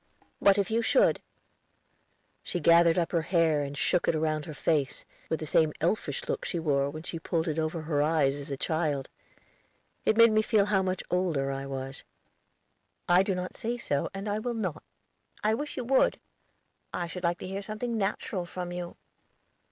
"What if you should?" She gathered up her hair and shook it round her face, with the same elfish look she wore when she pulled it over her eyes as a child. It made me feel how much older I was. "I do not say so, and I will not." "I wish you would; I should like to hear something natural from you."